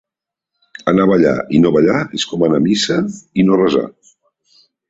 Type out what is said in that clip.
Anar a ballar i no ballar és com anar a missa i no resar.